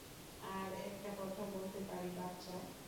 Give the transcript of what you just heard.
আর একটা কথা বলতে পারি, বাচ্চা।